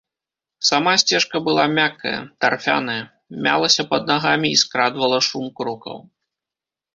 Сама сцежка была мяккая, тарфяная, мялася пад нагамі і скрадвала шум крокаў.